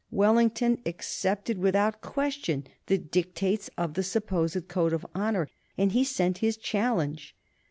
Wellington accepted without question the dictates of the supposed code of honor, and he sent his challenge.